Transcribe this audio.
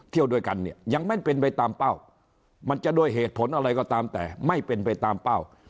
เที่ยวด้วยกันเนี่ยยังไม่เป็นไปตามเป้ามันจะด้วยเหตุผลอะไรก็ตามแต่ไม่เป็นไปตามเป้า